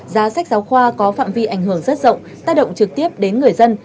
giá sách giáo khoa có phạm vi ảnh hưởng rất rộng tác động trực tiếp đến người dân